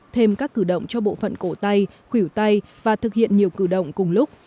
thêm các cử động cho bộ phận cổ tay khủyu tay và thực hiện nhiều cử động cùng lúc